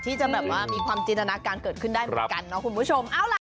ที่จะแบบว่ามีความจินตนาการเกิดขึ้นได้เหมือนกันเนาะคุณผู้ชมเอาล่ะ